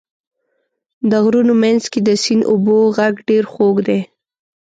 د غرونو منځ کې د سیند اوبو غږ ډېر خوږ دی.